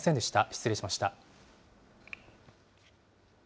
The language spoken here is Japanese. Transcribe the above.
失礼しました。